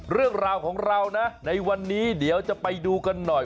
เรื่องราวของเรานะในวันนี้เดี๋ยวจะไปดูกันหน่อย